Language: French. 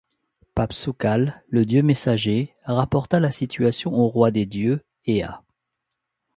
Papsukkal, le dieu-messager, rapporta la situation au roi des dieux, Ea.